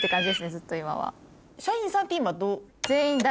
ずっと今は。